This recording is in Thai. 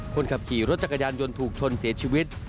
คนขับขี่รถจักรยานยนต์ถูกชนเสียชีวิต